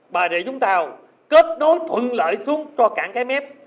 và để chúng ta kết nối thuận lợi xuống cho cảng cái mép